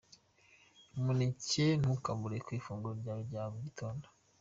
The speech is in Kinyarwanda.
Umuneke ntukabure ku ifunguro ryawe rya mu gitondo.